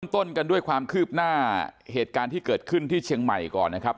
ต้นกันด้วยความคืบหน้าเหตุการณ์ที่เกิดขึ้นที่เชียงใหม่ก่อนนะครับ